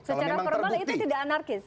secara formal itu tidak anarkis